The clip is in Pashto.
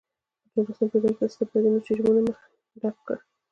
په نولسمه پېړۍ کې استبدادي رژیمونو مخه ډپ کړه.